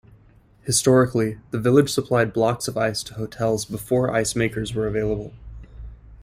Historically, the village supplied blocks of ice to hotels before ice makers were available.